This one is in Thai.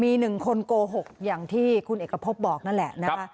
มีหนึ่งคนโกหกอย่างที่คุณเอกพบบอกนั่นแหละนะคะ